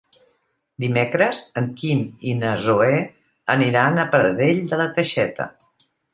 Dimecres en Quim i na Zoè aniran a Pradell de la Teixeta.